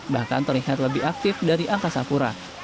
bahkan terlihat lebih aktif dari angkasa pura